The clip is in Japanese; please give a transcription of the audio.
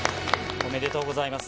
おめでとうございます。